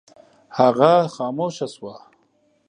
هغه خاموشه شوه.